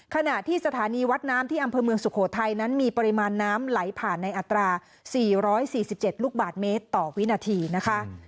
ขณะที่สถานีวัดน้ำที่อำเภอเมืองสุโขทัยนั้นมีปริมาณน้ำไหลผ่านในอัตรา๔๔๗ลูกบาทเมตรต่อวินาทีนะคะ